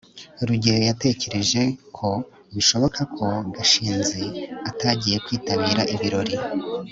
rugeyo yatekereje ko bishoboka ko gashinzi atagiye kwitabira ibirori